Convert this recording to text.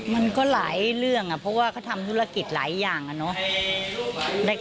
มันก็หลายเรื่องเพราะว่าเขาทำธุรกิจหลายอย่างอะเนาะ